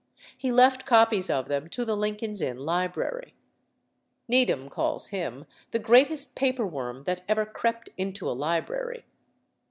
He left copies of them to the Lincoln's Inn library. Needham calls him "the greatest paper worm that ever crept into a library."